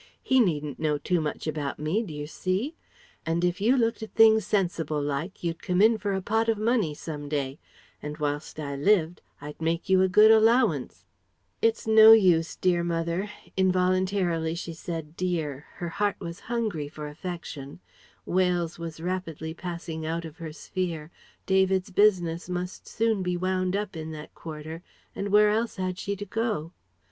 He needn't know too much about me, d'yer see? And if you looked at things sensible like, you'd come in for a pot of money some day; and whilst I lived I'd make you a good allowance " "It's no use, dear mother" involuntarily she said "dear": her heart was hungry for affection, Wales was rapidly passing out of her sphere, David's business must soon be wound up in that quarter and where else had she to go?